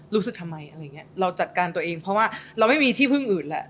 รู้สึกทำไมอะไรอย่างนี้เราจัดการตัวเองเพราะว่าเราไม่มีที่พึ่งอื่นแหละ